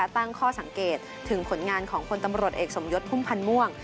ตั้งข้อสังเกตถึงผลงานของพลตำรวจเอกสมยศพุ่มพันธ์ม่วง